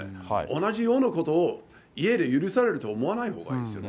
同じようなことを家で許されると思わないほうがいいですよね。